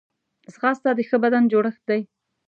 ځغاسته د ښه بدن جوړښت دی